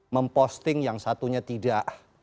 memposting yang satunya tidak